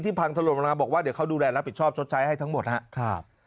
พังถล่มลงมาบอกว่าเดี๋ยวเขาดูแลรับผิดชอบชดใช้ให้ทั้งหมดครับ